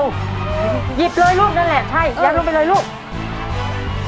หยิบเลยลูกนั่นแหละใช่ยัดลงไปเลยลูก